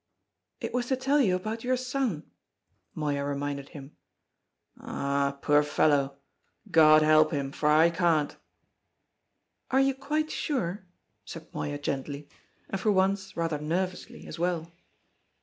"It was to tell you about your son," Moya reminded him. "Ah, poor fellow! God help him, for I can't." "Are you quite sure?" said Moya gently, and for once rather nervously as well.